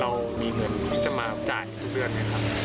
เรามีเงินที่จะมาจ่ายทุกเดือนไหมครับ